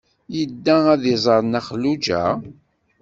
Yedda ad d-iẓer Nna Xelluǧa?